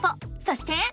そして。